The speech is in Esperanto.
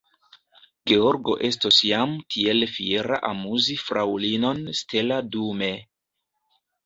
Georgo estos jam tiel fiera amuzi fraŭlinon Stella dume.